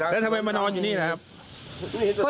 แล้วทำไมมานอนอยู่นี่แหละครับ